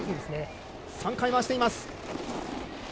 ３回回しています。